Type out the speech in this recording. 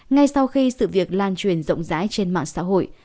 ngay sau khi sự việc lan truyền rộng rãi trên mạng xã hội